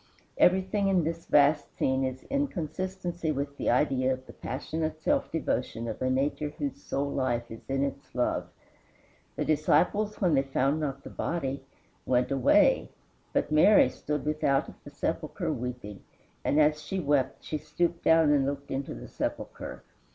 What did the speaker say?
Everything in this last scene is in consistency with the idea of the passionate self devotion of a nature whose sole life is in its love. The disciples, when they found not the body, went away; but Mary stood without at the sepulchre weeping, and as she wept she stooped down and looked into the sepulchre.